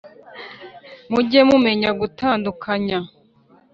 Mujye mumenya gutandukanya